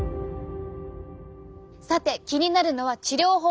さて気になるのは治療法。